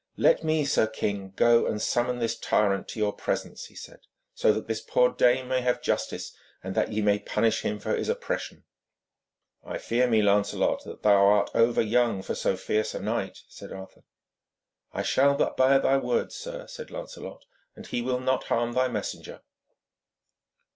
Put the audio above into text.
'Let me, sir king, go and summon this tyrant to your presence,' he said, 'so that this poor dame may have justice, and that ye may punish him for his oppression.' 'I fear me, Lancelot, thou art over young for so fierce a knight,' said Arthur. 'I shall but bear thy words, sir,' said Lancelot, and he will not harm thy messenger.'